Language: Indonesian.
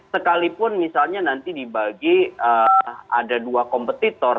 sekalipun misalnya nanti dibagi ada dua kompetitor